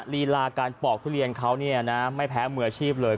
ลีลาการปอกทุเรียนเขาเนี่ยนะไม่แพ้มืออาชีพเลย